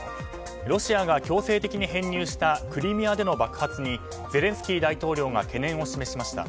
ロシアが強制的に編入したクリミアでの爆発にゼレンスキー大統領が懸念を示しました。